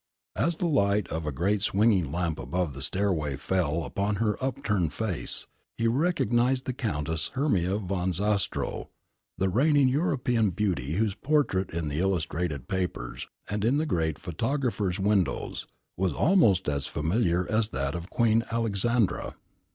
As the light of a great swinging lamp above the stairway fell upon her upturned face, he recognised the Countess Hermia von Zastrow, the reigning European beauty whose portrait in the illustrated papers, and in the great photographer's windows, was almost as familiar as that of Queen Alexandra.